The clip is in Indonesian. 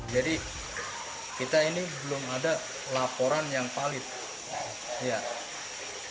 jadi kita ini belum ada laporan yang palit